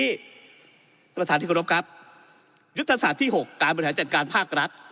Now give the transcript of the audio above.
ท่านประธานที่กรบครับยุทธศาสตร์ที่๖การบริหารจัดการภาครัฐ